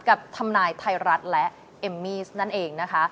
กับทำนายไทยรัฐและเอมมี่นั่นเองนะคะ